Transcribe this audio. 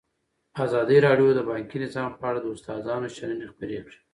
ازادي راډیو د بانکي نظام په اړه د استادانو شننې خپرې کړي.